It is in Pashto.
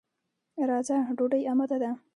راځه، ډوډۍ اماده ده.